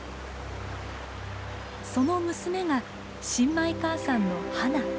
その娘が新米母さんのハナ。